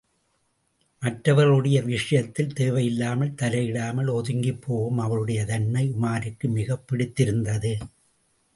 மற்றவர்களுடைய விஷயத்தில் தேவையில்லாமல் தலையிடாமல் ஒதுங்கிப்போகும் அவளுடைய தன்மை உமாருக்கு மிகப் பிடித்திருந்தது.